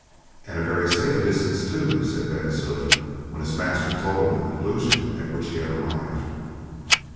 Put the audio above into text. "And a very safe distance, too," said Ben Zoof, when his master told him the conclusion at which he had arrived.